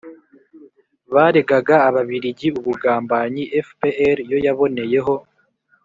baregaga ababiligi ubugambanyi, fpr yo yaboneyeho